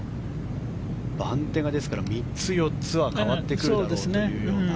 番手が３つ、４つは変わってくるだろうというような